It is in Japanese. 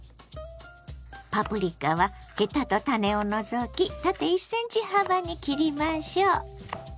パプリカはヘタと種を除き縦１ｃｍ幅に切りましょう。